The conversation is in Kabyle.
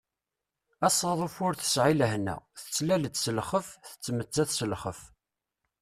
Asaḍuf ur tesεi lehna, tettlal-d s lxeff, tettmettat s lxeff.